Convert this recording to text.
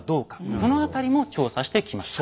その辺りも調査してきました。